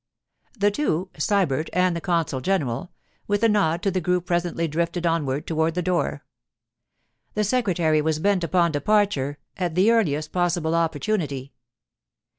The two—Sybert and the consul general—with a nod to the group presently drifted onward toward the door. The secretary was bent upon departure at the earliest possible opportunity.